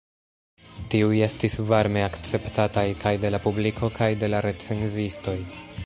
Tiuj estis varme akceptataj kaj de la publiko kaj de la recenzistoj.